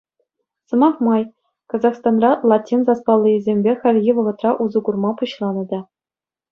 Сӑмах май, Казахстанра латин саспаллийӗсемпе хальхи вӑхӑтра усӑ курма пуҫланӑ та.